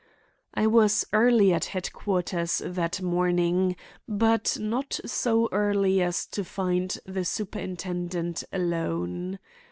I was early at headquarters that morning, but not so early as to find the superintendent alone.